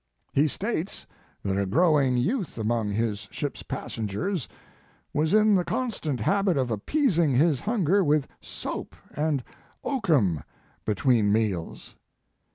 He states that a growing youth among his ship s passengers was in the constant habit of appeasing his hunger with soap and oakum between meals.